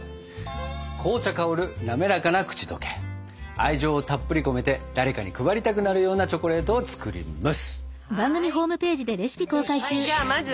愛情をたっぷり込めて誰かに配りたくなるようなチョコレートを作ります！